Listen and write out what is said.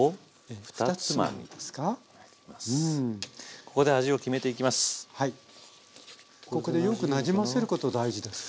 ここでよくなじませること大事ですか？